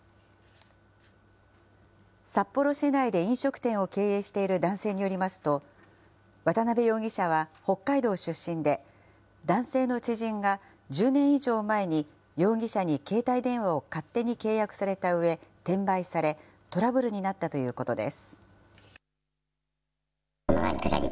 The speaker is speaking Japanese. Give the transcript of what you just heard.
札幌市内で飲食店を経営している男性によりますと、渡邉容疑者は北海道出身で、男性の知人が１０年以上前に容疑者に携帯電話を勝手に契約されたうえ、転売され、トラブルになったということです。